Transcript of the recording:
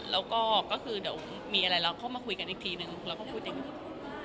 แล้วก็ก็คือเดี๋ยวมีอะไรเราเข้ามาคุยกันอีกทีนึงเราก็พูดอย่างนี้